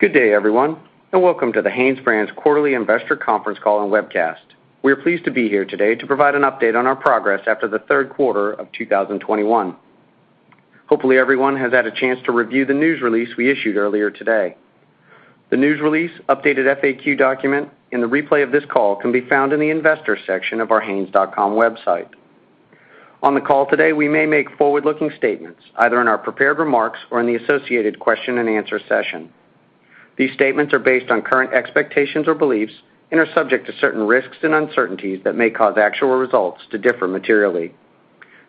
Good day, everyone, and welcome to the HanesBrands quarterly investor conference call and webcast. We are pleased to be here today to provide an update on our progress after the third quarter of 2021. Hopefully, everyone has had a chance to review the news release we issued earlier today. The news release, updated FAQ document, and the replay of this call can be found in the Investors section of our hanes.com website. On the call today, we may make forward-looking statements, either in our prepared remarks or in the associated question-and-answer session. These statements are based on current expectations or beliefs and are subject to certain risks and uncertainties that may cause actual results to differ materially.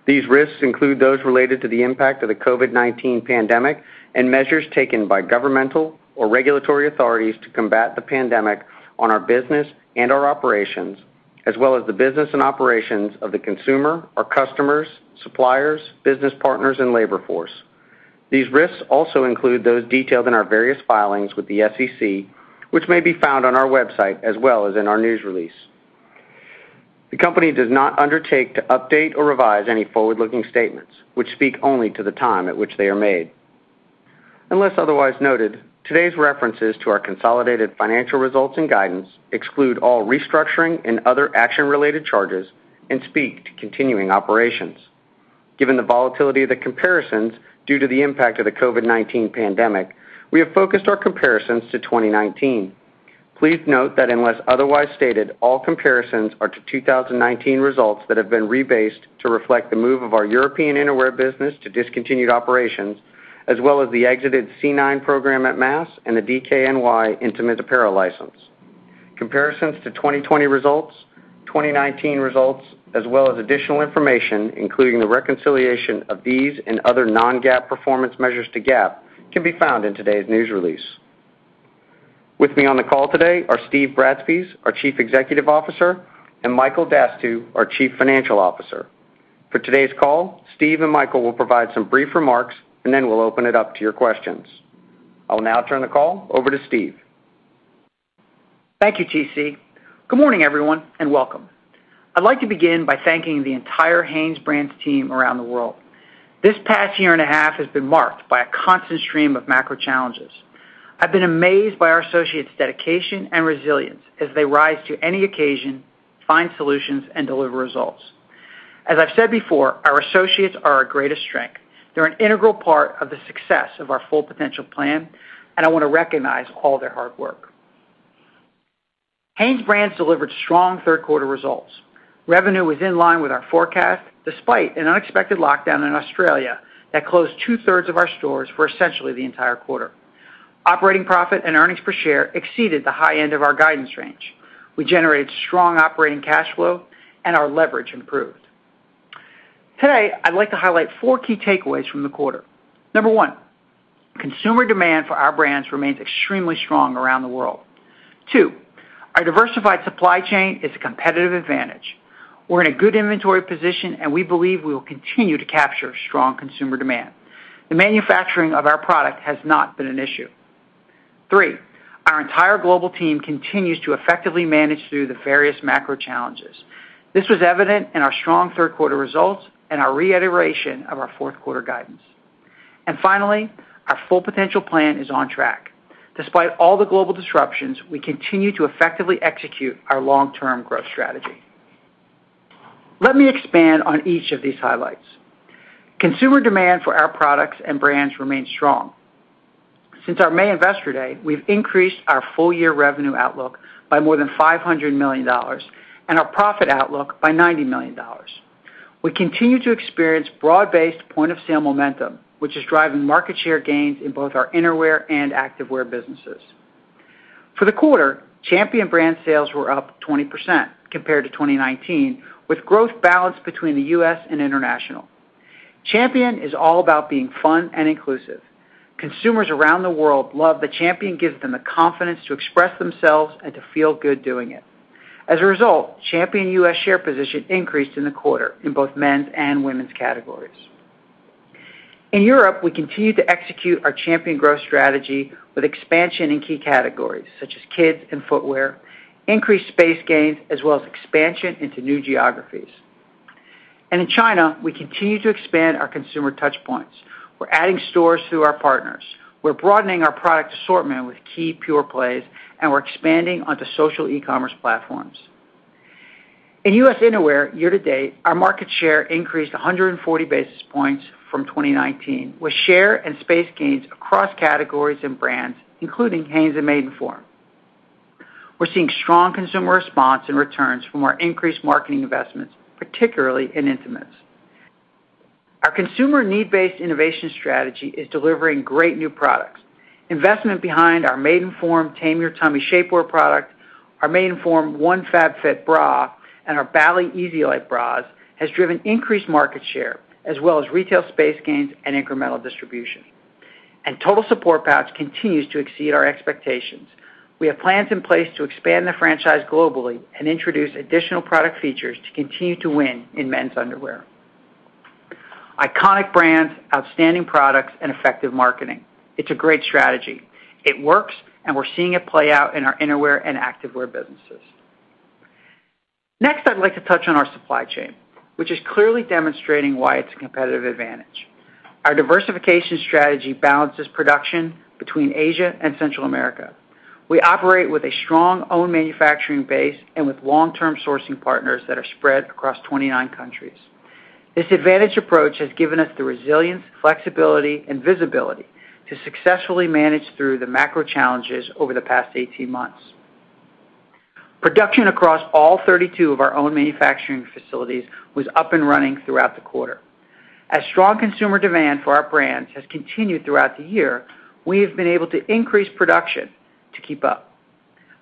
These risks include those related to the impact of the COVID-19 pandemic and measures taken by governmental or regulatory authorities to combat the pandemic on our business and our operations, as well as the business and operations of the consumer, our customers, suppliers, business partners, and labor force. These risks also include those detailed in our various filings with the SEC, which may be found on our website as well as in our news release. The company does not undertake to update or revise any forward-looking statements, which speak only to the time at which they are made. Unless otherwise noted, today's references to our consolidated financial results and guidance exclude all restructuring and other action-related charges and speak to continuing operations. Given the volatility of the comparisons due to the impact of the COVID-19 pandemic, we have focused our comparisons to 2019. Please note that unless otherwise stated, all comparisons are to 2019 results that have been rebased to reflect the move of our European Innerwear business to discontinued operations, as well as the exited C9 program at Mass and the DKNY intimate apparel license. Comparisons to 2020 results, 2019 results, as well as additional information, including the reconciliation of these and other non-GAAP performance measures to GAAP, can be found in today's news release. With me on the call today are Steve Bratspies, our Chief Executive Officer, and Michael Dastugue, our Chief Financial Officer. For today's call, Steve and Michael will provide some brief remarks, and then we'll open it up to your questions. I will now turn the call over to Steve. Thank you, T.C. Good morning, everyone, and welcome. I'd like to begin by thanking the entire HanesBrands team around the world. This past year and a half has been marked by a constant stream of macro challenges. I've been amazed by our associates' dedication and resilience as they rise to any occasion, find solutions, and deliver results. As I've said before, our associates are our greatest strength. They're an integral part of the success of our Full Potential plan, and I want to recognize all their hard work. HanesBrands delivered strong third quarter results. Revenue was in line with our forecast, despite an unexpected lockdown in Australia that closed two-thirds of our stores for essentially the entire quarter. Operating profit and earnings per share exceeded the high end of our guidance range. We generated strong operating cash flow, and our leverage improved. Today, I'd like to highlight four key takeaways from the quarter. Number one, consumer demand for our brands remains extremely strong around the world. Two, our diversified supply chain is a competitive advantage. We're in a good inventory position, and we believe we will continue to capture strong consumer demand. The manufacturing of our product has not been an issue. Three, our entire global team continues to effectively manage through the various macro challenges. This was evident in our strong third quarter results and our reiteration of our fourth quarter guidance. Finally, our Full Potential plan is on track. Despite all the global disruptions, we continue to effectively execute our long-term growth strategy. Let me expand on each of these highlights. Consumer demand for our products and brands remains strong. Since our May Investor Day, we've increased our full year revenue outlook by more than $500 million and our profit outlook by $90 million. We continue to experience broad-based point of sale momentum, which is driving market share gains in both our Innerwear and Activewear businesses. For the quarter, Champion brand sales were up 20% compared to 2019, with growth balanced between the U.S. and international. Champion is all about being fun and inclusive. Consumers around the world love that Champion gives them the confidence to express themselves and to feel good doing it. As a result, Champion U.S. share position increased in the quarter in both men's and women's categories. In Europe, we continue to execute our Champion growth strategy with expansion in key categories, such as kids and footwear, increased space gains, as well as expansion into new geographies. In China, we continue to expand our consumer touchpoints. We're adding stores through our partners. We're broadening our product assortment with key pure plays, and we're expanding onto social e-commerce platforms. In U.S. Innerwear, year to date, our market share increased 140 basis points from 2019, with share and space gains across categories and brands, including Hanes and Maidenform. We're seeing strong consumer response and returns from our increased marketing investments, particularly in intimates. Our consumer need-based innovation strategy is delivering great new products. Investment behind our Maidenform Tame Your Tummy shapewear product, our Maidenform One Fab Fit bra, and our Bali EasyLite bras has driven increased market share as well as retail space gains and incremental distribution. Total Support Pouch continues to exceed our expectations. We have plans in place to expand the franchise globally and introduce additional product features to continue to win in men's underwear. Iconic brands, outstanding products, and effective marketing. It's a great strategy. It works, and we're seeing it play out in our Innerwear and Activewear businesses. Next, I'd like to touch on our supply chain, which is clearly demonstrating why it's a competitive advantage. Our diversification strategy balances production between Asia and Central America. We operate with a strong own manufacturing base and with long-term sourcing partners that are spread across 29 countries. This advantage approach has given us the resilience, flexibility, and visibility to successfully manage through the macro challenges over the past 18 months. Production across all 32 of our own manufacturing facilities was up and running throughout the quarter. As strong consumer demand for our brands has continued throughout the year, we have been able to increase production to keep up.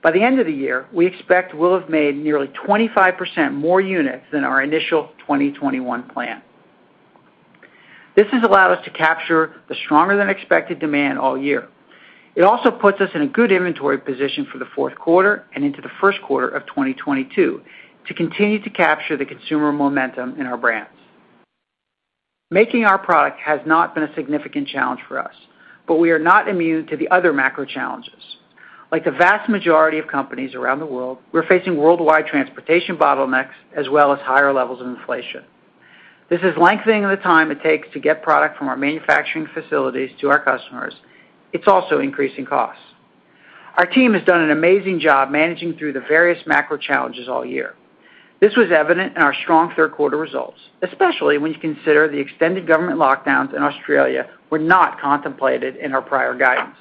By the end of the year, we expect we'll have made nearly 25% more units than our initial 2021 plan. This has allowed us to capture the stronger than expected demand all year. It also puts us in a good inventory position for the fourth quarter and into the first quarter of 2022 to continue to capture the consumer momentum in our brands. Making our product has not been a significant challenge for us, but we are not immune to the other macro challenges. Like the vast majority of companies around the world, we're facing worldwide transportation bottlenecks as well as higher levels of inflation. This is lengthening the time it takes to get product from our manufacturing facilities to our customers. It's also increasing costs. Our team has done an amazing job managing through the various macro challenges all year. This was evident in our strong third quarter results, especially when you consider the extended government lockdowns in Australia were not contemplated in our prior guidance.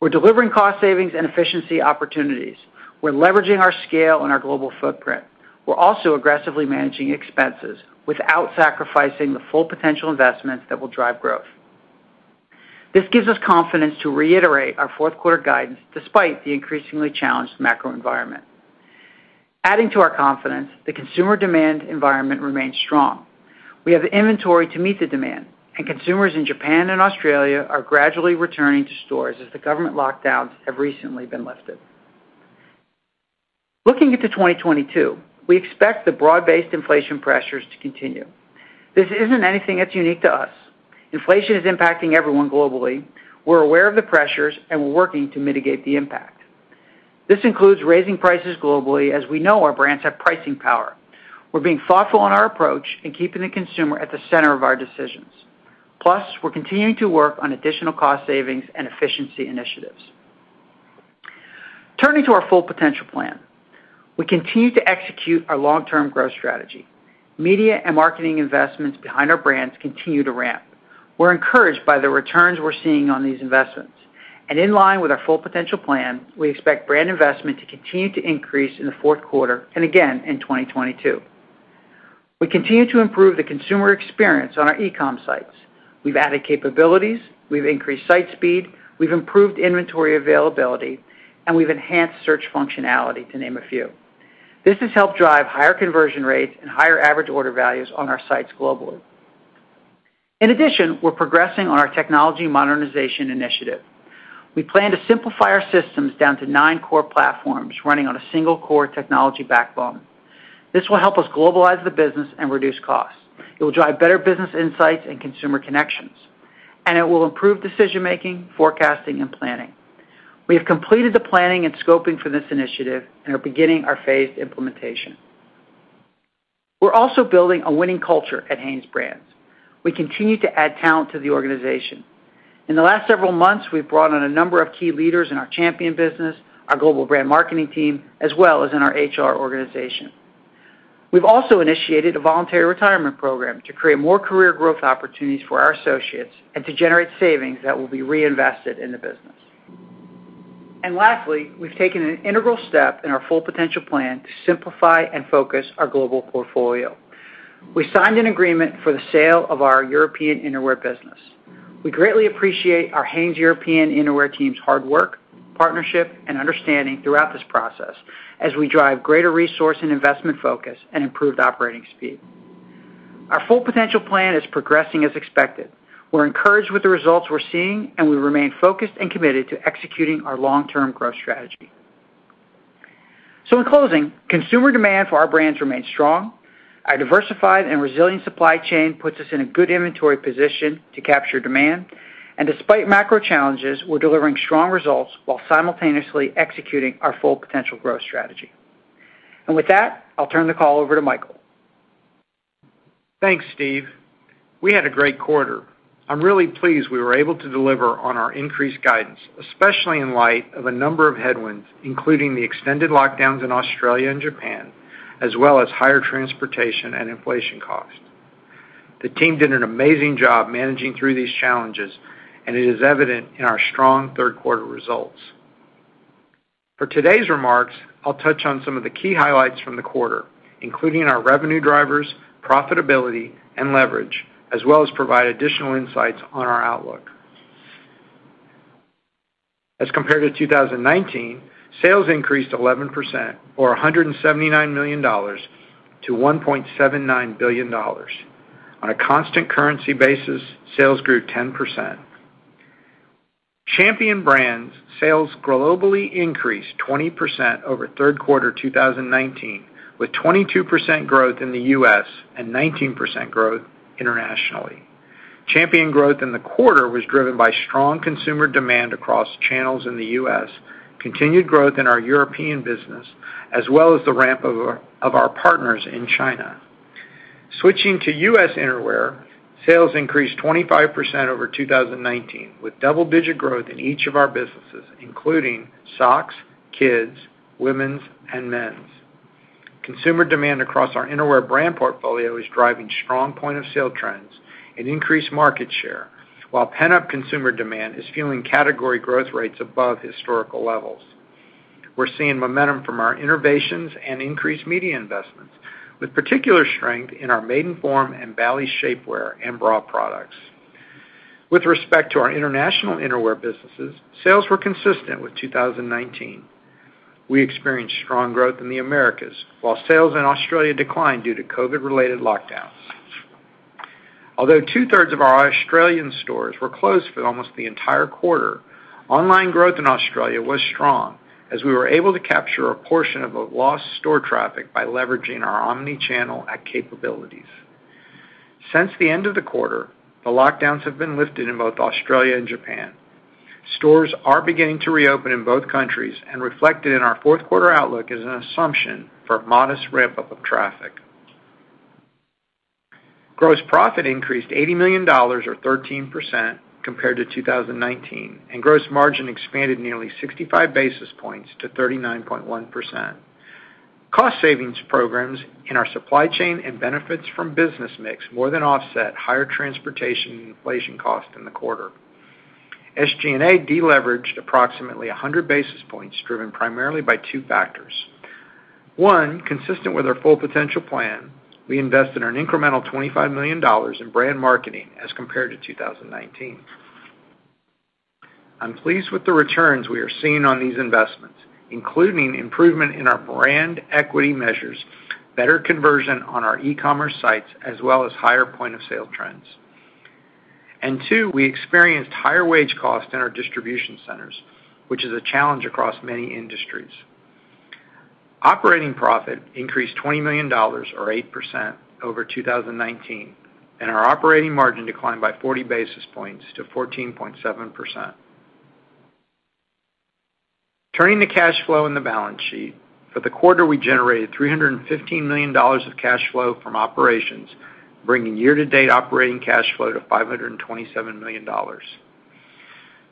We're delivering cost savings and efficiency opportunities. We're leveraging our scale and our global footprint. We're also aggressively managing expenses without sacrificing the Full Potential investments that will drive growth. This gives us confidence to reiterate our fourth quarter guidance despite the increasingly challenged macro environment. Adding to our confidence, the consumer demand environment remains strong. We have the inventory to meet the demand, and consumers in Japan and Australia are gradually returning to stores as the government lockdowns have recently been lifted. Looking into 2022, we expect the broad-based inflation pressures to continue. This isn't anything that's unique to us. Inflation is impacting everyone globally. We're aware of the pressures, and we're working to mitigate the impact. This includes raising prices globally as we know our brands have pricing power. We're being thoughtful in our approach and keeping the consumer at the center of our decisions. Plus, we're continuing to work on additional cost savings and efficiency initiatives. Turning to our Full Potential plan. We continue to execute our long-term growth strategy. Media and marketing investments behind our brands continue to ramp. We're encouraged by the returns we're seeing on these investments. In line with our Full Potential plan, we expect brand investment to continue to increase in the fourth quarter and again in 2022. We continue to improve the consumer experience on our e-com sites. We've added capabilities, we've increased site speed, we've improved inventory availability, and we've enhanced search functionality, to name a few. This has helped drive higher conversion rates and higher average order values on our sites globally. In addition, we're progressing on our technology modernization initiative. We plan to simplify our systems down to nine core platforms running on a single core technology backbone. This will help us globalize the business and reduce costs. It will drive better business insights and consumer connections, and it will improve decision-making, forecasting, and planning. We have completed the planning and scoping for this initiative and are beginning our phased implementation. We're also building a winning culture at HanesBrands. We continue to add talent to the organization. In the last several months, we've brought on a number of key leaders in our Champion business, our global brand marketing team, as well as in our HR organization. We've also initiated a voluntary retirement program to create more career growth opportunities for our associates and to generate savings that will be reinvested in the business. Lastly, we've taken an integral step in our Full Potential plan to simplify and focus our global portfolio. We signed an agreement for the sale of our European Innerwear business. We greatly appreciate our Hanes European Innerwear team's hard work, partnership, and understanding throughout this process as we drive greater resource and investment focus and improved operating speed. Our Full Potential plan is progressing as expected. We're encouraged with the results we're seeing, and we remain focused and committed to executing our long-term growth strategy. In closing, consumer demand for our brands remains strong. Our diversified and resilient supply chain puts us in a good inventory position to capture demand. Despite macro challenges, we're delivering strong results while simultaneously executing our Full Potential growth strategy. With that, I'll turn the call over to Michael. Thanks, Steve. We had a great quarter. I'm really pleased we were able to deliver on our increased guidance, especially in light of a number of headwinds, including the extended lockdowns in Australia and Japan, as well as higher transportation and inflation costs. The team did an amazing job managing through these challenges, and it is evident in our strong third quarter results. For today's remarks, I'll touch on some of the key highlights from the quarter, including our revenue drivers, profitability, and leverage, as well as provide additional insights on our outlook. As compared to 2019, sales increased 11% or $179 million to $1.79 billion. On a constant currency basis, sales grew 10%. Champion brand sales globally increased 20% over third quarter 2019, with 22% growth in the U.S. and 19% growth internationally. Champion growth in the quarter was driven by strong consumer demand across channels in the U.S., continued growth in our European business, as well as the ramp of our partners in China. Switching to U.S. Innerwear, sales increased 25% over 2019, with double-digit growth in each of our businesses, including socks, kids, women's, and men's. Consumer demand across our Innerwear brand portfolio is driving strong point of sale trends and increased market share, while pent-up consumer demand is fueling category growth rates above historical levels. We're seeing momentum from our innovations and increased media investments, with particular strength in our Maidenform and Bali shapewear and bra products. With respect to our international Innerwear businesses, sales were consistent with 2019. We experienced strong growth in the Americas, while sales in Australia declined due to COVID-related lockdowns. Although two-thirds of our Australian stores were closed for almost the entire quarter, online growth in Australia was strong, as we were able to capture a portion of the lost store traffic by leveraging our omni-channel capabilities. Since the end of the quarter, the lockdowns have been lifted in both Australia and Japan. Stores are beginning to reopen in both countries, reflected in our fourth quarter outlook as an assumption for modest ramp-up of traffic. Gross profit increased $80 million or 13% compared to 2019, and gross margin expanded nearly 65 basis points to 39.1%. Cost savings programs in our supply chain and benefits from business mix more than offset higher transportation and inflation costs in the quarter. SG&A deleveraged approximately 100 basis points, driven primarily by two factors. One, consistent with our Full Potential plan, we invested an incremental $25 million in brand marketing as compared to 2019. I'm pleased with the returns we are seeing on these investments, including improvement in our brand equity measures, better conversion on our e-commerce sites, as well as higher point of sale trends. Two, we experienced higher wage costs in our distribution centers, which is a challenge across many industries. Operating profit increased $20 million or 8% over 2019, and our operating margin declined by 40 basis points to 14.7%. Turning to cash flow in the balance sheet. For the quarter, we generated $315 million of cash flow from operations, bringing year-to-date operating cash flow to $527 million.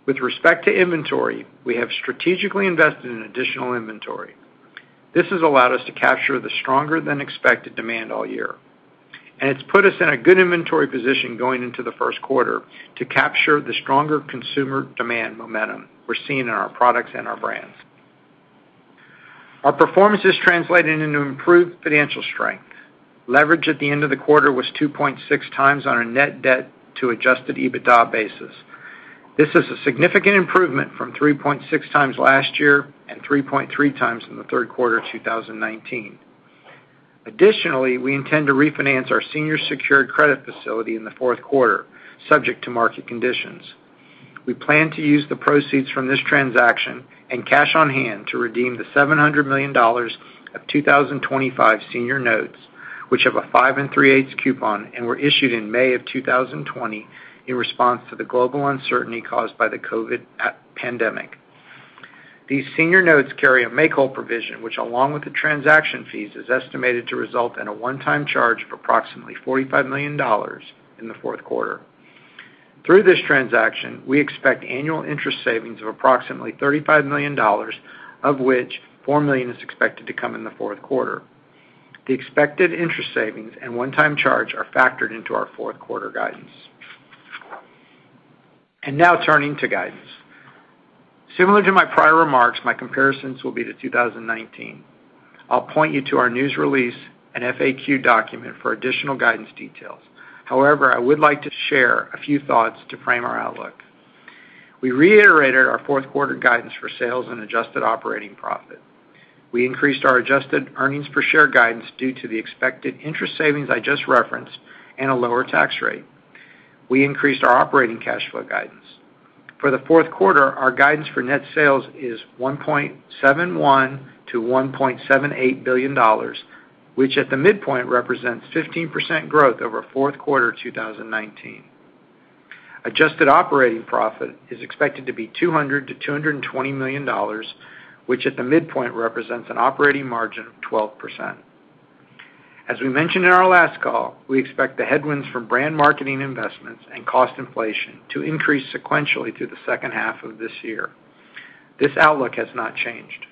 With respect to inventory, we have strategically invested in additional inventory. This has allowed us to capture the stronger than expected demand all year, and it's put us in a good inventory position going into the first quarter to capture the stronger consumer demand momentum we're seeing in our products and our brands. Our performance is translating into improved financial strength. Leverage at the end of the quarter was 2.6x on our net debt to adjusted EBITDA basis. This is a significant improvement from 3.6x last year and 3.3x in the third quarter of 2019. Additionally, we intend to refinance our senior secured credit facility in the fourth quarter, subject to market conditions. We plan to use the proceeds from this transaction and cash on hand to redeem the $700 million of 2025 senior notes, which have a 5 3/8% coupon and were issued in May 2020 in response to the global uncertainty caused by the COVID-19 pandemic. These senior notes carry a make-whole provision, which along with the transaction fees, is estimated to result in a one-time charge of approximately $45 million in the fourth quarter. Through this transaction, we expect annual interest savings of approximately $35 million, of which $4 million is expected to come in the fourth quarter. The expected interest savings and one-time charge are factored into our fourth quarter guidance. Now turning to guidance. Similar to my prior remarks, my comparisons will be to 2019. I'll point you to our news release and FAQ document for additional guidance details. However, I would like to share a few thoughts to frame our outlook. We reiterated our fourth quarter guidance for sales and adjusted operating profit. We increased our adjusted earnings per share guidance due to the expected interest savings I just referenced and a lower tax rate. We increased our operating cash flow guidance. For the fourth quarter, our guidance for net sales is $1.71 billion-$1.78 billion, which at the midpoint represents 15% growth over fourth quarter 2019. Adjusted operating profit is expected to be $200 million-$220 million, which at the midpoint represents an operating margin of 12%. As we mentioned in our last call, we expect the headwinds from brand marketing investments and cost inflation to increase sequentially through the second half of this year. This outlook has not changed.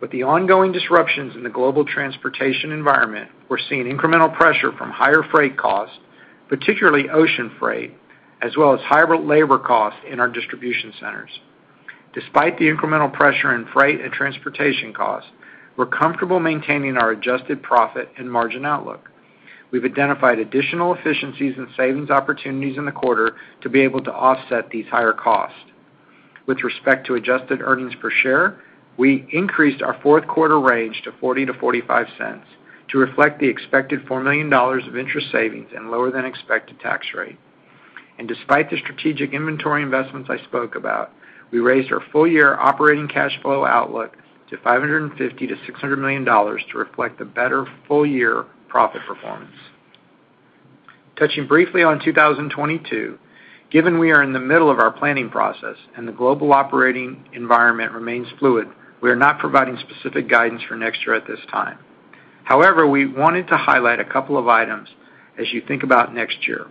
With the ongoing disruptions in the global transportation environment, we're seeing incremental pressure from higher freight costs, particularly ocean freight, as well as higher labor costs in our distribution centers. Despite the incremental pressure in freight and transportation costs, we're comfortable maintaining our adjusted profit and margin outlook. We've identified additional efficiencies and savings opportunities in the quarter to be able to offset these higher costs. With respect to adjusted earnings per share, we increased our fourth quarter range to $0.40-$0.45 to reflect the expected $4 million of interest savings and lower than expected tax rate. Despite the strategic inventory investments I spoke about, we raised our full year operating cash flow outlook to $550 million-$600 million to reflect the better full year profit performance. Touching briefly on 2022, given we are in the middle of our planning process and the global operating environment remains fluid, we are not providing specific guidance for next year at this time. However, we wanted to highlight a couple of items as you think about next year.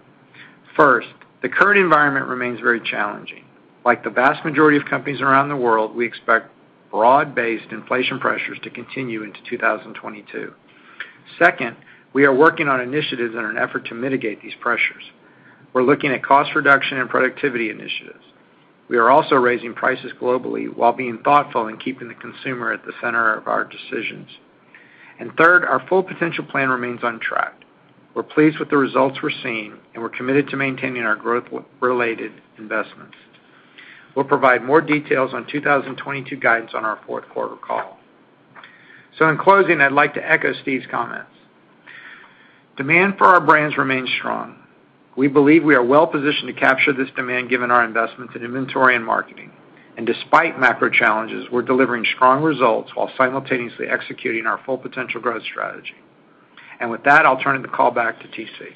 First, the current environment remains very challenging. Like the vast majority of companies around the world, we expect broad-based inflation pressures to continue into 2022. Second, we are working on initiatives in an effort to mitigate these pressures. We're looking at cost reduction and productivity initiatives. We are also raising prices globally while being thoughtful in keeping the consumer at the center of our decisions. Third, our Full Potential plan remains on track. We're pleased with the results we're seeing, and we're committed to maintaining our growth-related investments. We'll provide more details on 2022 guidance on our fourth quarter call. In closing, I'd like to echo Steve's comments. Demand for our brands remains strong. We believe we are well positioned to capture this demand given our investments in inventory and marketing. Despite macro challenges, we're delivering strong results while simultaneously executing our Full Potential growth strategy. With that, I'll turn the call back to T.C.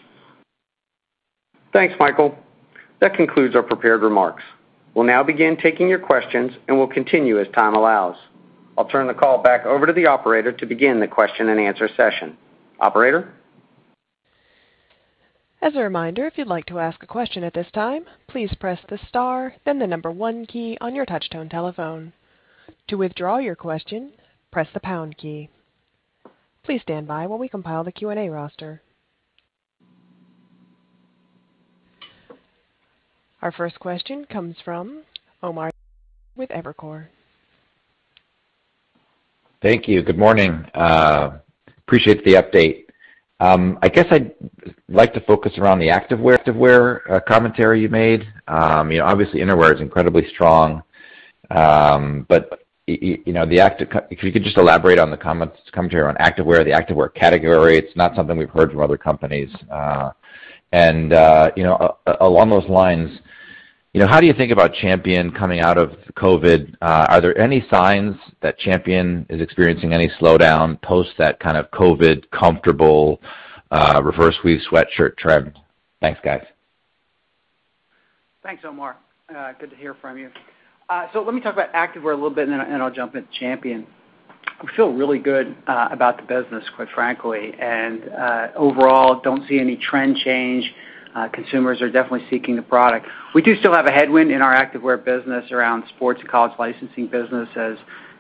Thanks, Michael. That concludes our prepared remarks. We'll now begin taking your questions, and we'll continue as time allows. I'll turn the call back over to the operator to begin the question and answer session. Operator? As a reminder, If you would like to ask questions at this time, please press star then number one key on your touchpad telephone. To withdraw your question, press the pound key. Please stand by as we compound our Q&A roster. Our first question comes from Omar Saad with Evercore. Thank you. Good morning. Appreciate the update. I guess I'd like to focus around the activewear to wear commentary you made. You know, obviously, innerwear is incredibly strong. But you know, if you could just elaborate on the commentary on activewear, the activewear category. It's not something we've heard from other companies. You know, along those lines, you know, how do you think about Champion coming out of COVID? Are there any signs that Champion is experiencing any slowdown post that kind of COVID comfortable Reverse Weave sweatshirt trend? Thanks, guys. Thanks, Omar. Good to hear from you. So let me talk about Activewear a little bit, and then I'll jump into Champion. I feel really good about the business, quite frankly, and overall, don't see any trend change. Consumers are definitely seeking the product. We do still have a headwind in our Activewear business around sports college licensing business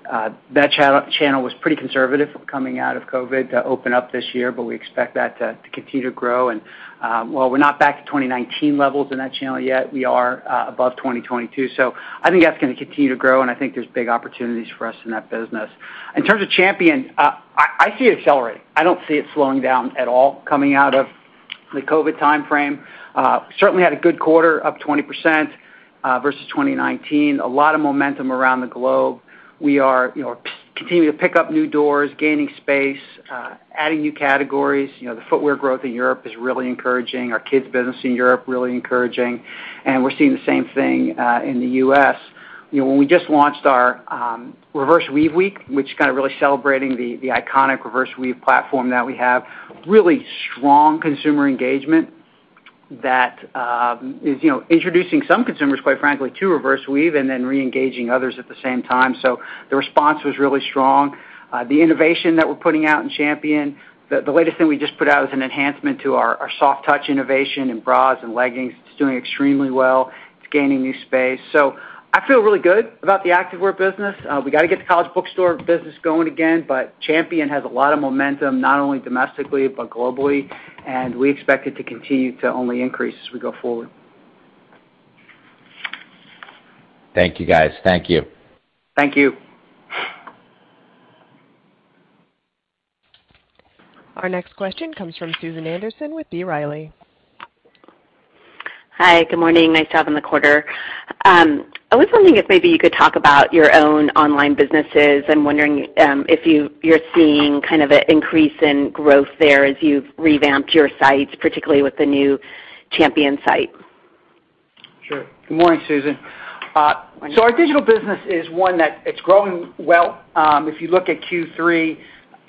as that channel was pretty conservative coming out of COVID to open up this year, but we expect that to continue to grow. While we're not back to 2019 levels in that channel yet, we are above 2022. I think that's gonna continue to grow, and I think there's big opportunities for us in that business. In terms of Champion, I see it accelerating. I don't see it slowing down at all coming out of the COVID-19 timeframe. Certainly had a good quarter, up 20%, versus 2019. A lot of momentum around the globe. We are, you know, continuing to pick up new doors, gaining space, adding new categories. You know, the footwear growth in Europe is really encouraging. Our kids business in Europe, really encouraging. We're seeing the same thing, in the U.S. You know, when we just launched our, Reverse Weave Week, which is kind of really celebrating the iconic Reverse Weave platform that we have, really strong consumer engagement that is, you know, introducing some consumers, quite frankly, to Reverse Weave and then reengaging others at the same time. The response was really strong. The innovation that we're putting out in Champion, the latest thing we just put out is an enhancement to our Soft Touch innovation in bras and leggings. It's doing extremely well. It's gaining new space. I feel really good about the Activewear business. We gotta get the college bookstore business going again, but Champion has a lot of momentum, not only domestically but globally, and we expect it to continue to only increase as we go forward. Thank you, guys. Thank you. Thank you. Our next question comes from Susan Anderson with B. Riley. Hi. Good morning. Nice job on the quarter. I was wondering if maybe you could talk about your own online businesses. I'm wondering if you're seeing kind of an increase in growth there as you've revamped your sites, particularly with the new Champion site. Sure. Good morning, Susan. Morning. Our digital business is one that it's growing well. If you look at Q3,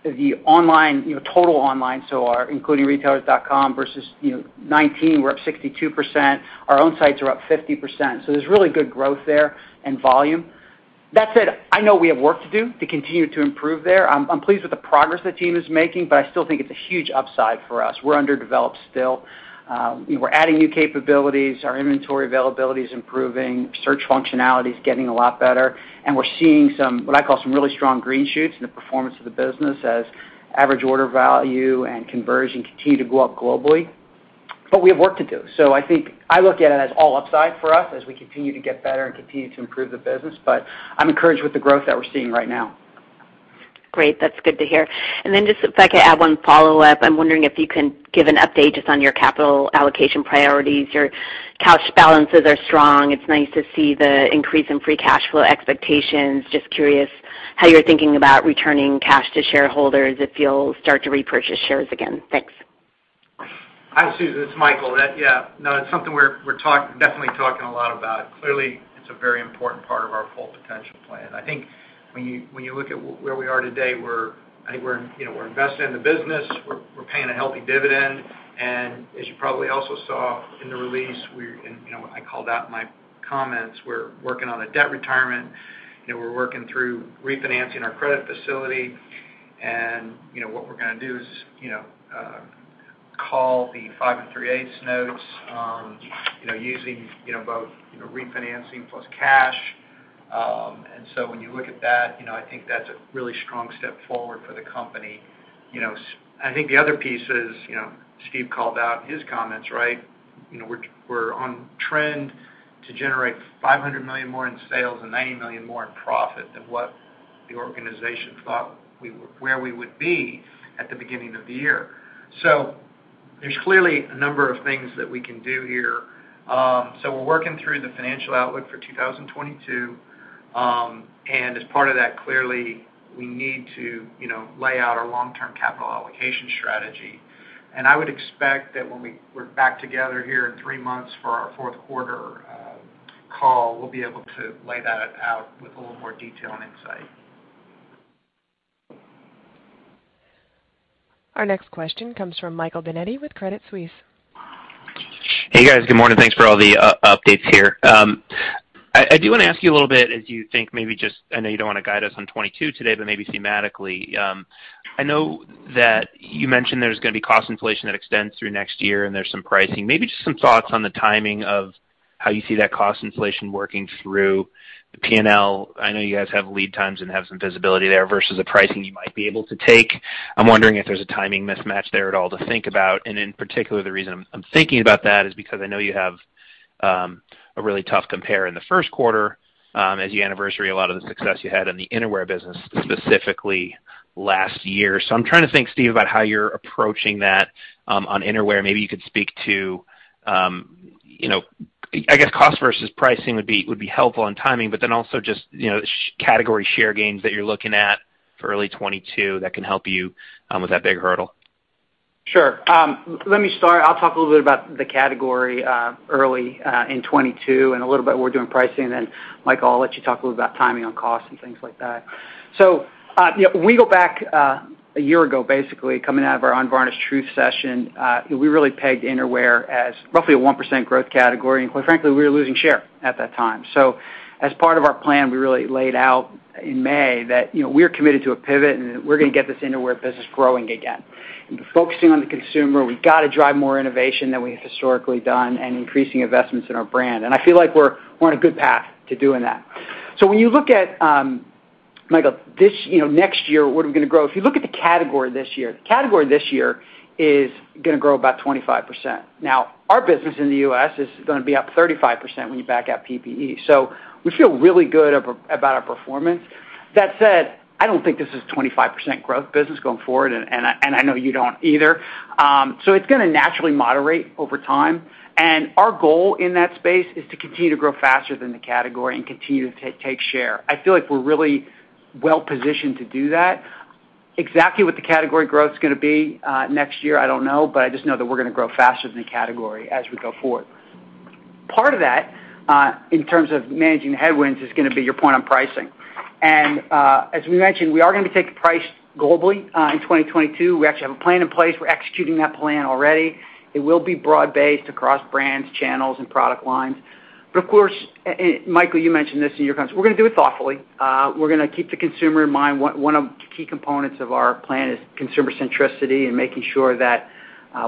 the online, you know, total online, including retailers.com versus 2019, we're up 62%. Our own sites are up 50%. There's really good growth there and volume. That said, I know we have work to do to continue to improve there. I'm pleased with the progress the team is making, but I still think it's a huge upside for us. We're underdeveloped still. We're adding new capabilities. Our inventory availability is improving. Search functionality is getting a lot better. We're seeing some, what I call some really strong green shoots in the performance of the business as average order value and conversion continue to go up globally. We have work to do. I think I look at it as all upside for us as we continue to get better and continue to improve the business, but I'm encouraged with the growth that we're seeing right now. Great. That's good to hear. Just if I could add one follow-up. I'm wondering if you can give an update just on your capital allocation priorities. Your cash balances are strong. It's nice to see the increase in free cash flow expectations. Just curious How you're thinking about returning cash to shareholders if you'll start to repurchase shares again? Thanks. Hi, Susan, it's Michael. Yeah. No, it's something we're definitely talking a lot about. Clearly, it's a very important part of our full potential plan. I think when you look at where we are today, I think we're, you know, invested in the business. We're paying a healthy dividend. As you probably also saw in the release, you know, I called out in my comments, we're working on a debt retirement. You know, we're working through refinancing our credit facility. You know, what we're gonna do is, you know, call the five, three, eight notes, you know, using both, you know, refinancing plus cash. When you look at that, you know, I think that's a really strong step forward for the company. You know, I think the other piece is, you know, Steve called out in his comments, right? You know, we're on trend to generate $500 million more in sales and $90 million more in profit than what the organization thought we would be at the beginning of the year. There's clearly a number of things that we can do here. We're working through the financial outlook for 2022. As part of that, clearly, we need to, you know, lay out our long-term capital allocation strategy. I would expect that when we're back together here in three months for our fourth quarter call, we'll be able to lay that out with a little more detail and insight. Our next question comes from Michael Binetti with Credit Suisse. Hey, guys. Good morning. Thanks for all the updates here. I do wanna ask you a little bit. I know you don't wanna guide us on 2022 today, but maybe thematically. I know that you mentioned there's gonna be cost inflation that extends through next year, and there's some pricing. Maybe just some thoughts on the timing of how you see that cost inflation working through the P&L. I know you guys have lead times and have some visibility there versus the pricing you might be able to take. I'm wondering if there's a timing mismatch there at all to think about. In particular, the reason I'm thinking about that is because I know you have a really tough compare in the first quarter, as you anniversary a lot of the success you had in the Innerwear business, specifically last year. I'm trying to think, Steve, about how you're approaching that on Innerwear. Maybe you could speak to, you know, I guess, cost versus pricing would be helpful on timing, but then also just, you know, category share gains that you're looking at for early 2022 that can help you with that big hurdle. Sure. Let me start. I'll talk a little bit about the category early in 2022 and a little bit what we're doing in pricing. Then, Michael, I'll let you talk a little about timing on costs and things like that. You know, when we go back a year ago, basically, coming out of our Unvarnished Truth session, you know, we really pegged Innerwear as roughly a 1% growth category. Quite frankly, we were losing share at that time. As part of our plan, we really laid out in May that, you know, we are committed to a pivot, and we're gonna get this Innerwear business growing again. Focusing on the consumer, we've gotta drive more innovation than we have historically done and increasing investments in our brand. I feel like we're on a good path to doing that. When you look at Michael, this next year, what are we gonna grow? If you look at the category this year, the category this year is gonna grow about 25%. Now, our business in the U.S. is gonna be up 35% when you back out PPE. We feel really good about our performance. That said, I don't think this is 25% growth business going forward, and I know you don't either. It's gonna naturally moderate over time. Our goal in that space is to continue to grow faster than the category and continue to take share. I feel like we're really well positioned to do that. Exactly what the category growth's gonna be next year, I don't know, but I just know that we're gonna grow faster than the category as we go forward. Part of that in terms of managing headwinds is gonna be your point on pricing. As we mentioned, we are gonna take price globally in 2022. We actually have a plan in place. We're executing that plan already. It will be broad-based across brands, channels, and product lines. But of course, and Michael, you mentioned this in your comments. We're gonna do it thoughtfully. We're gonna keep the consumer in mind. One of the key components of our plan is consumer centricity and making sure that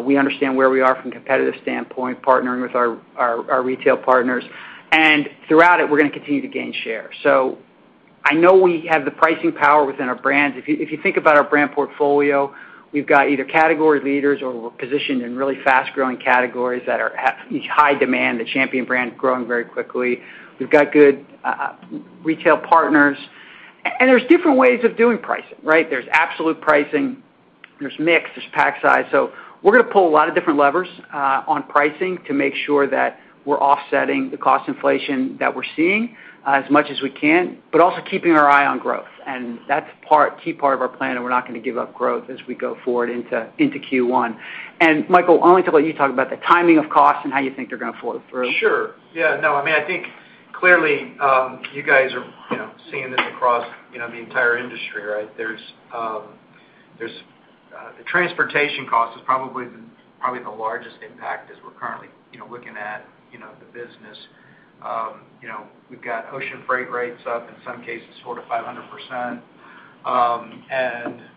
we understand where we are from a competitive standpoint, partnering with our retail partners. Throughout it, we're gonna continue to gain share. I know we have the pricing power within our brands. If you think about our brand portfolio, we've got either category leaders or we're positioned in really fast-growing categories that are at least high demand, the Champion brand growing very quickly. We've got good retail partners. And there's different ways of doing pricing, right? There's absolute pricing. There's mix. There's pack size. So we're gonna pull a lot of different levers on pricing to make sure that we're offsetting the cost inflation that we're seeing as much as we can, but also keeping our eye on growth. And that's part, key part of our plan, and we're not gonna give up growth as we go forward into Q1. Michael, I want to let you talk about the timing of costs and how you think they're gonna flow through. Sure. Yeah, no, I mean, I think clearly, you guys are, you know, seeing this across, you know, the entire industry, right? There's the transportation cost is probably the largest impact as we're currently, you know, looking at, you know, the business. You know, we've got ocean freight rates up, in some cases, 400%-500%.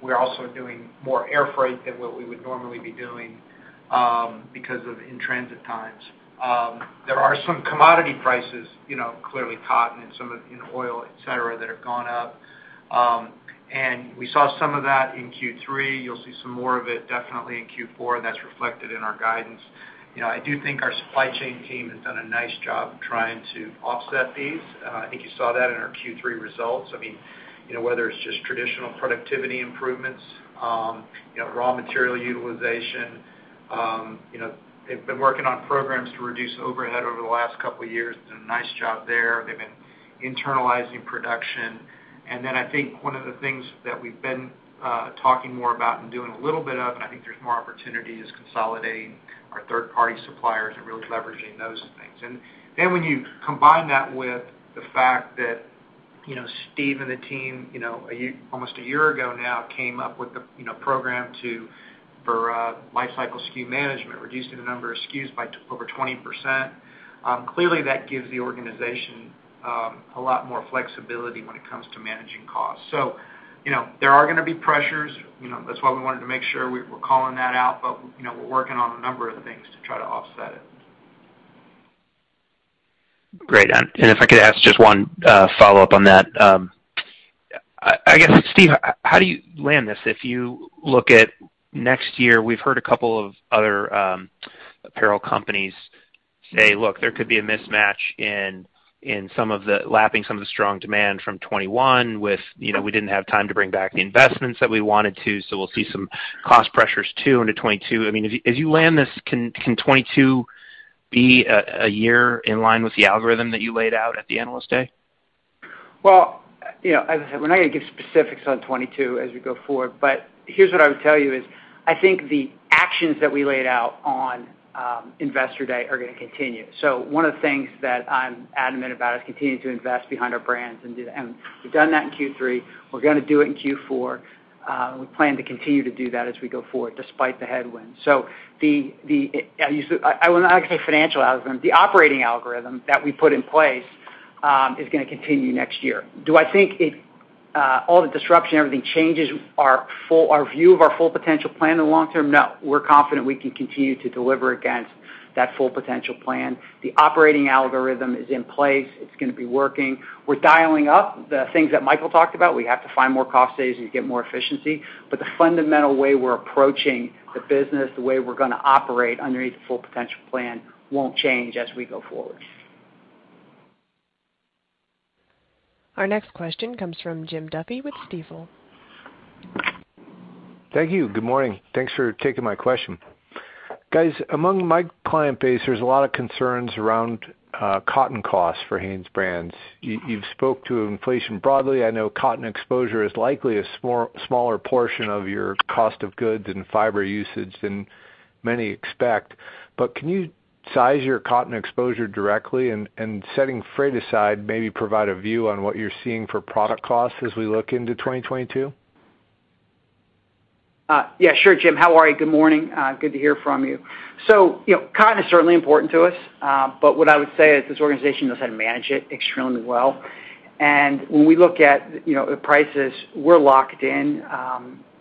We're also doing more air freight than what we would normally be doing, because of in-transit times. There are some commodity prices, you know, clearly cotton and some of, you know, oil, et cetera, that have gone up. We saw some of that in Q3. You'll see some more of it definitely in Q4, and that's reflected in our guidance. You know, I do think our supply chain team has done a nice job trying to offset these. I think you saw that in our Q3 results. I mean, you know, whether it's just traditional productivity improvements, you know, raw material utilization, you know, they've been working on programs to reduce overhead over the last couple of years. Done a nice job there. They've been internalizing production. I think one of the things that we've been talking more about and doing a little bit of, and I think there's more opportunity, is consolidating our third-party suppliers and really leveraging those things. When you combine that with the fact that, you know, Steve and the team, you know, almost a year ago now came up with the, you know, program for lifecycle SKU management, reducing the number of SKUs by over 20%. Clearly that gives the organization a lot more flexibility when it comes to managing costs. You know, there are gonna be pressures. You know, that's why we wanted to make sure we're calling that out. You know, we're working on a number of things to try to offset it. Great. If I could ask just one follow-up on that. I guess, Steve, how do you land this? If you look at next year, we've heard a couple of other apparel companies say, "Look, there could be a mismatch in some of the lapping some of the strong demand from 2021 with, you know, we didn't have time to bring back the investments that we wanted to, so we'll see some cost pressures too into 2022." I mean, as you land this, can 2022 be a year in line with the algorithm that you laid out at the Investor Day? Well, you know, as I said, we're not gonna give specifics on 2022 as we go forward, but here's what I would tell you is, I think the actions that we laid out on Investor Day are gonna continue. One of the things that I'm adamant about is continuing to invest behind our brands and do that. We've done that in Q3. We're gonna do it in Q4. We plan to continue to do that as we go forward, despite the headwinds. The I will not say financial algorithm. The operating algorithm that we put in place is gonna continue next year. Do I think it all the disruption, everything changes our view of our Full Potential plan in the long term? No. We're confident we can continue to deliver against that Full Potential plan. The operating algorithm is in place. It's gonna be working. We're dialing up the things that Michael talked about. We have to find more cost savings and get more efficiency, but the fundamental way we're approaching the business, the way we're gonna operate underneath the Full Potential plan won't change as we go forward. Our next question comes from Jim Duffy with Stifel. Thank you. Good morning. Thanks for taking my question. Guys, among my client base, there's a lot of concerns around cotton costs for HanesBrands. You, you've spoke to inflation broadly. I know cotton exposure is likely a smaller portion of your cost of goods and fiber usage than many expect. Can you size your cotton exposure directly and setting freight aside, maybe provide a view on what you're seeing for product costs as we look into 2022? Yeah, sure, Jim. How are you? Good morning. Good to hear from you. You know, cotton is certainly important to us, but what I would say is this organization knows how to manage it extremely well. When we look at, you know, the prices, we're locked in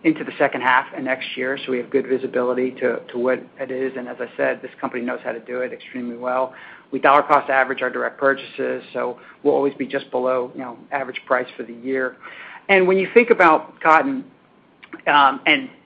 into the second half of next year, so we have good visibility to what it is. As I said, this company knows how to do it extremely well. We dollar cost average our direct purchases, so we'll always be just below, you know, average price for the year. When you think about cotton,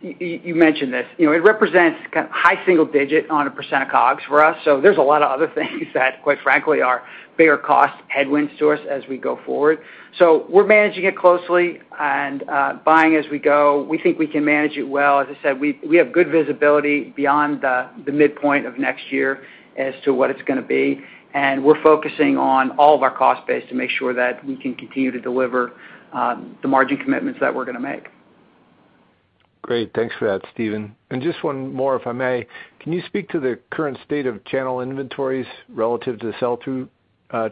you mentioned this, you know, it represents kind of high single-digit on percent of COGS for us. There's a lot of other things that quite frankly are bigger cost headwinds to us as we go forward. We're managing it closely and buying as we go. We think we can manage it well. As I said, we have good visibility beyond the midpoint of next year as to what it's gonna be, and we're focusing on all of our cost base to make sure that we can continue to deliver the margin commitments that we're gonna make. Great. Thanks for that, Steve. Just one more, if I may. Can you speak to the current state of channel inventories relative to sell-through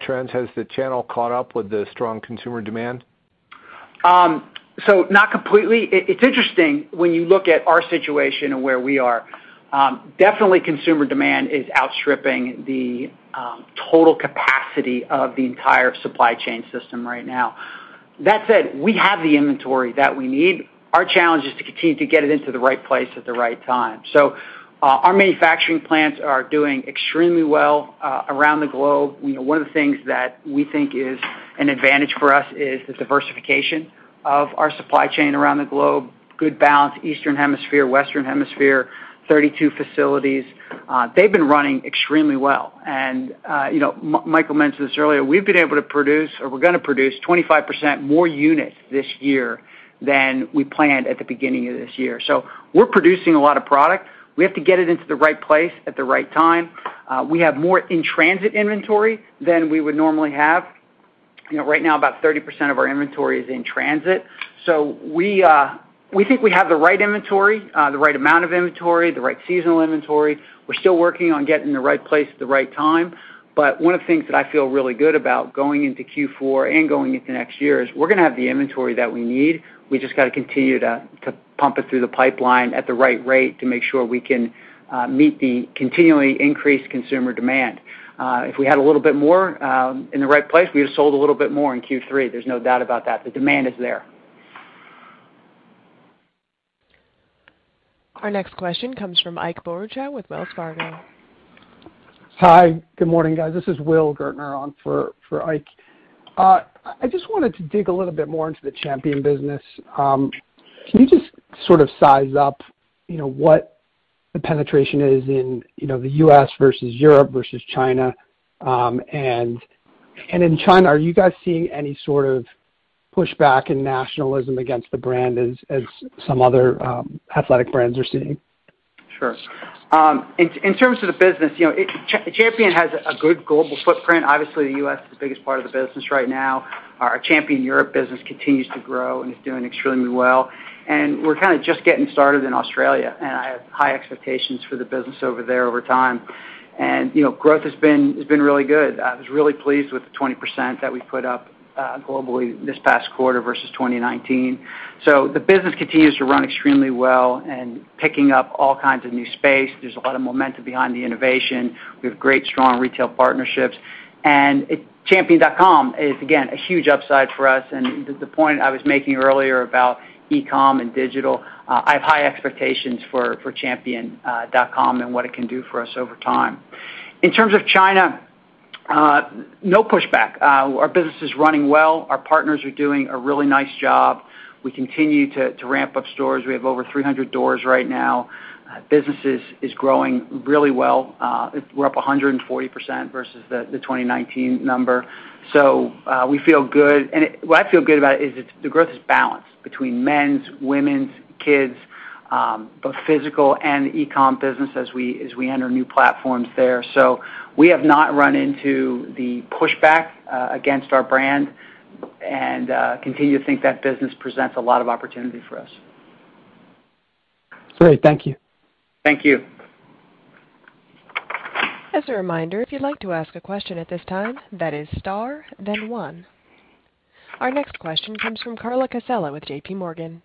trends? Has the channel caught up with the strong consumer demand? Not completely. It's interesting when you look at our situation and where we are. Definitely consumer demand is outstripping the total capacity of the entire supply chain system right now. That said, we have the inventory that we need. Our challenge is to continue to get it into the right place at the right time. Our manufacturing plants are doing extremely well around the globe. You know, one of the things that we think is an advantage for us is the diversification of our supply chain around the globe. Good balance, Eastern Hemisphere, Western Hemisphere, 32 facilities. They've been running extremely well. You know, Michael mentioned this earlier. We've been able to produce, or we're gonna produce 25% more units this year than we planned at the beginning of this year. We're producing a lot of product. We have to get it into the right place at the right time. We have more in-transit inventory than we would normally have. You know, right now, about 30% of our inventory is in transit. So we think we have the right inventory, the right amount of inventory, the right seasonal inventory. We're still working on getting the right place at the right time. One of the things that I feel really good about going into Q4 and going into next year is we're gonna have the inventory that we need. We just got to continue to pump it through the pipeline at the right rate to make sure we can meet the continually increased consumer demand. If we had a little bit more in the right place, we would've sold a little bit more in Q3. There's no doubt about that. The demand is there. Our next question comes from Ike Boruchow with Wells Fargo. Hi. Good morning, guys. This is Will Gaertner on for Ike. I just wanted to dig a little bit more into the Champion business. Can you just sort of size up, you know, what the penetration is in, you know, the U.S. versus Europe versus China? And in China, are you guys seeing any sort of... Pushback and nationalism against the brand as some other athletic brands are seeing. Sure. In terms of the business, Champion has a good global footprint. Obviously, the U.S. is the biggest part of the business right now. Our Champion Europe business continues to grow and is doing extremely well. We're kinda just getting started in Australia, and I have high expectations for the business over there over time. Growth has been really good. I was really pleased with the 20% that we put up globally this past quarter versus 2019. The business continues to run extremely well and picking up all kinds of new space. There's a lot of momentum behind the innovation. We have great, strong retail partnerships. Champion.com is, again, a huge upside for us. The point I was making earlier about e-com and digital, I have high expectations for champion.com and what it can do for us over time. In terms of China, no pushback. Our business is running well. Our partners are doing a really nice job. We continue to ramp up stores. We have over 300 doors right now. Business is growing really well. We're up 140% versus the 2019 number. We feel good. What I feel good about is it's the growth is balanced between men's, women's, kids, both physical and e-com business as we enter new platforms there. We have not run into the pushback against our brand and continue to think that business presents a lot of opportunity for us. Great. Thank you. Thank you. As a reminder, if you'd like to ask a question at this time, that is star then one. Our next question comes from Carla Casella with JPMorgan.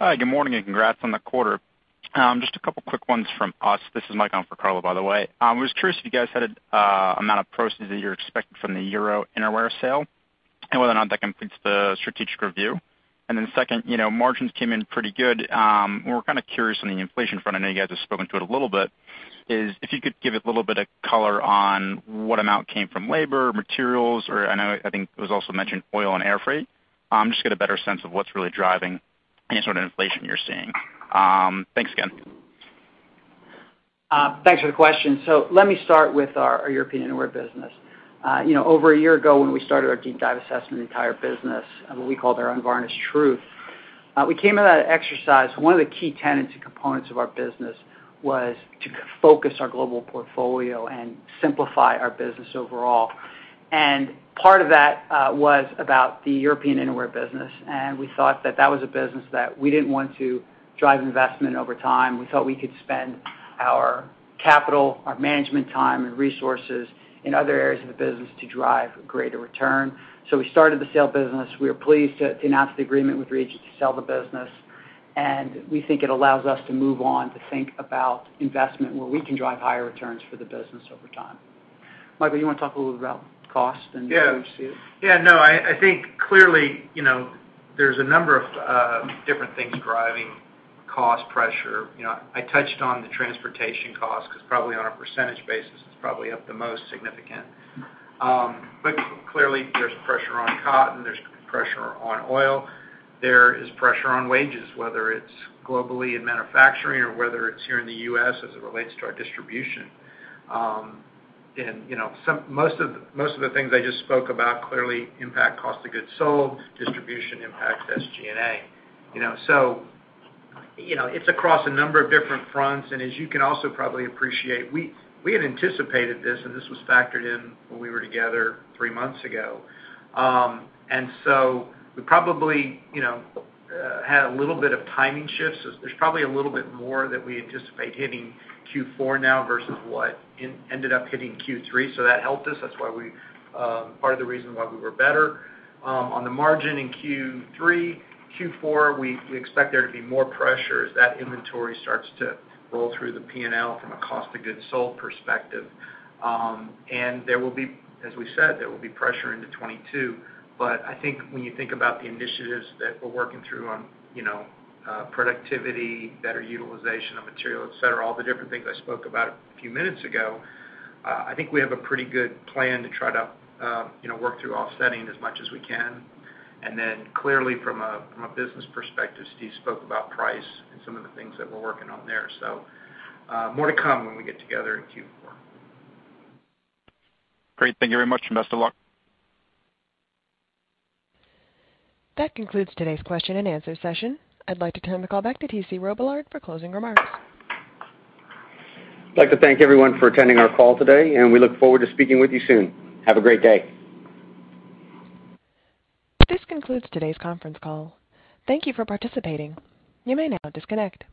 Hi, good morning, and congrats on the quarter. Just a couple quick ones from us. This is Mike on for Carla, by the way. Was curious if you guys had a amount of proceeds that you're expecting from the European Innerwear sale and whether or not that completes the strategic review. Then second, you know, margins came in pretty good. We're kinda curious on the inflation front. I know you guys have spoken to it a little bit, is if you could give it a little bit of color on what amount came from labor, materials or and I think it was also mentioned oil and airfreight. Just get a better sense of what's really driving any sort of inflation you're seeing. Thanks again. Thanks for the question. Let me start with our European Innerwear business. You know, over a year ago, when we started our deep dive assessment of the entire business, what we called our Unvarnished Truth, we came to that exercise, and one of the key tenets and components of our business was to focus our global portfolio and simplify our business overall. Part of that was about the European Innerwear business, and we thought that that was a business that we didn't want to drive investment over time. We thought we could spend our capital, our management time and resources in other areas of the business to drive greater return. We started the sale business. We are pleased to announce the agreement with Regent to sell the business, and we think it allows us to move on to think about investment where we can drive higher returns for the business over time. Michael, you wanna talk a little bit about cost and Yeah. How we see it? Yeah, no, I think clearly, you know, there's a number of different things driving cost pressure. You know, I touched on the transportation cost 'cause probably on a percentage basis, it's probably up the most significant. But clearly, there's pressure on cotton, there's pressure on oil, there is pressure on wages, whether it's globally in manufacturing or whether it's here in the U.S. as it relates to our distribution. You know, most of the things I just spoke about clearly impact cost of goods sold, distribution impacts SG&A. You know, it's across a number of different fronts. As you can also probably appreciate, we had anticipated this, and this was factored in when we were together three months ago. We probably had a little bit of timing shifts. There's probably a little bit more that we anticipate hitting Q4 now versus what ended up hitting Q3, so that helped us. That's why we part of the reason why we were better on the margin in Q3. Q4, we expect there to be more pressure as that inventory starts to roll through the P&L from a cost of goods sold perspective. And there will be as we said, there will be pressure into 2022. I think when you think about the initiatives that we're working through on, you know, productivity, better utilization of material, et cetera, all the different things I spoke about a few minutes ago, I think we have a pretty good plan to try to, you know, work through offsetting as much as we can. Then clearly from a business perspective, Steve spoke about price and some of the things that we're working on there. More to come when we get together in Q4. Great. Thank you very much. Best of luck. That concludes today's question and answer session. I'd like to turn the call back to T.C. Robillard for closing remarks. I'd like to thank everyone for attending our call today, and we look forward to speaking with you soon. Have a great day. This concludes today's conference call. Thank you for participating. You may now disconnect.